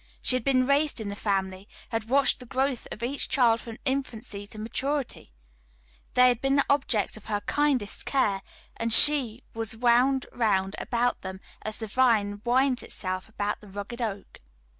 She had been raised in the family, had watched the growth of each child from infancy to maturity; they had been the objects of her kindest care, and she was wound round about them as the vine winds itself about the rugged oak.